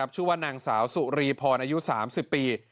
ชื่อว่านางสาวสุรีพรอายุ๓๐ปี